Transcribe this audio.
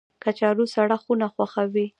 کچالو سړه خونه خوښوي